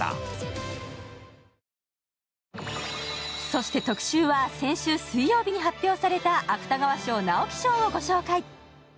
そして特集は先週水曜日に発表された芥川賞・直木賞をご紹介。